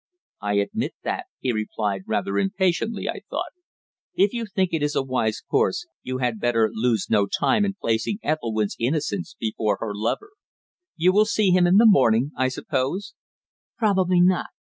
"I admit that," he replied, rather impatiently, I thought. "If you think it a wise course you had better lose no time in placing Ethelwynn's innocence before her lover. You will see him in the morning, I suppose?" "Probably not.